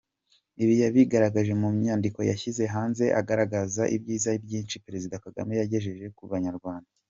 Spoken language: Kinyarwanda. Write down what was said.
Ibi yabigaragaje mu nyandiko yashyize hanze anagaragaza ibyiza byinshi Perzida Kagame yagejeje ku banyarwanda.